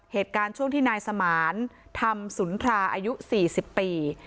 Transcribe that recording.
เหตุการณ์ช่วงที่นายสมานธรรมสุนทราอายุ๔๐ปี